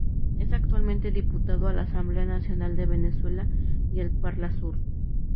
Es actualmente diputado a la Asamblea Nacional de Venezuela y al Parlasur.